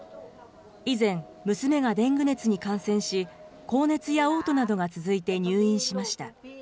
以前、娘がデング熱に感染し、高熱やおう吐などが続いて入院しました。